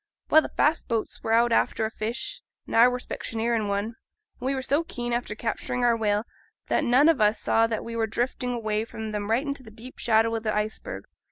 Well, the fast boats were out after a fish, and I were specksioneer in one; and we were so keen after capturing our whale, that none on us ever saw that we were drifting away from them right into deep shadow o' th' iceberg.